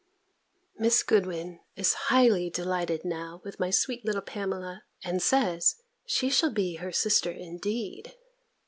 Miss Goodwin is highly delighted now with my sweet little Pamela, and says, she shall be her sister indeed!